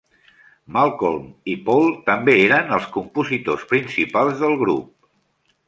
Malcolm i Paul també eren els compositors principals del grup.